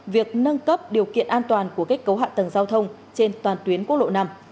việc nâng cấp điều kiện an toàn của kết cấu hạ tầng giao thông trên toàn tuyến quốc lộ năm